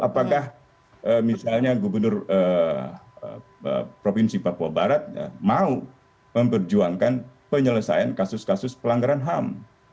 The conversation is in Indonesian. apakah misalnya gubernur provinsi papua barat mau memperjuangkan penyelesaian kasus kasus pelanggaran ham